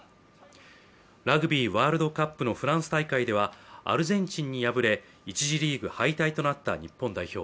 ラグビーワールドカップのフランス大会ではアルゼンチンに敗れ、１次リーグ敗退となった日本代表。